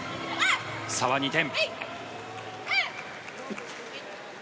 差は２点。